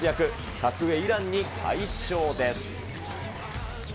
格上、イランに快勝です。